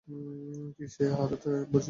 কী সে হারাইতে বসিয়াছে চিরদিনের জন্য?